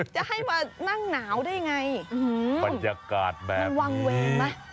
จะให้มานั่งหนาวได้ไงบรรยากาศแบบนี้มันวางเวงไหม